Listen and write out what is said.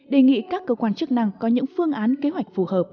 đề nghị các cơ quan chức năng có những phương án kế hoạch phù hợp